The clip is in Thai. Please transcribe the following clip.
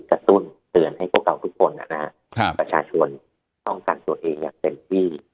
ตุ้นเตือนให้พวกเราทุกคนนะฮะประชาชนป้องกันตัวเองอย่างเต็มที่